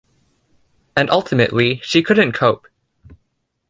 And ultimately, she couldn't cope.